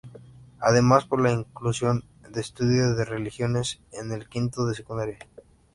Además por la inclusión de "Estudio de Religiones", en el quinto de secundaria.